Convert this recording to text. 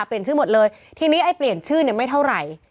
เปลี่ยนชื่อหมดเลยทีนี้ไอ้เปลี่ยนชื่อเนี่ยไม่เท่าไหร่